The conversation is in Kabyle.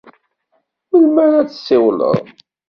Melmi ara d-tsiwleḍ?